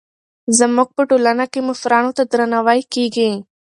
زموږ په ټولنه کې مشرانو ته درناوی کېږي.